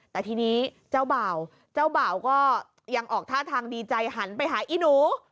แต่ทีนี้เจ้าบ่าวเจ้าบ่าวก็ยังออกท่าทางดีใจหันไปหาอีหนู